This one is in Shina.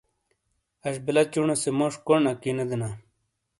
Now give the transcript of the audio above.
اش بیلا چُونے سے موش کونڈ اکی نے دینا